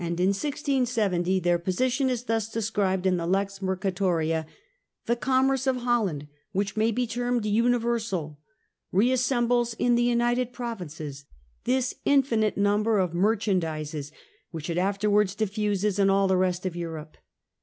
And in 1670 their position is thus described in the ' Lex Mercatoria* :— 'The commerce of Holland, which may be termed universal, reassembles in the United Provinces this infinite number of merchandizes which it afterwards diffuses in all the rest of Europe.